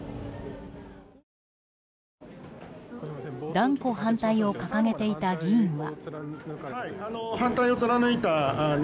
断固反対を掲げていた議員は。